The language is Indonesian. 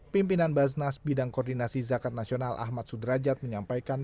pimpinan basnas bidang koordinasi zakat nasional ahmad sudrajat menyampaikan